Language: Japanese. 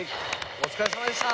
お疲れさまでした。